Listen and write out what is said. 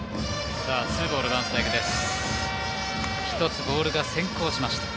１つボールが先行しました。